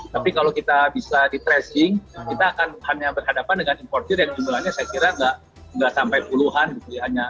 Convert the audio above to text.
tapi kalau kita bisa di tracing kita akan hanya berhadapan dengan importir yang jumlahnya saya kira nggak sampai puluhan gitu ya